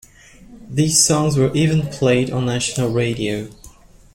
These songs were even played on national radio.